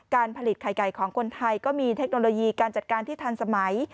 การผลิตไข่ไก่ของคนไทยก็มีเทคโนโลยีการจัดการที่ทันสมัย